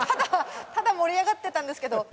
ただ盛り上がってたんですけど。